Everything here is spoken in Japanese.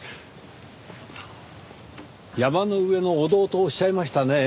「山の上の御堂」とおっしゃいましたねぇ。